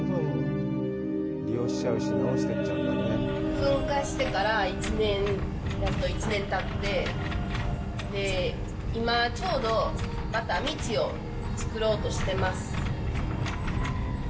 噴火してからやっと１年たって、今ちょうど、また道をつくろうとしてます。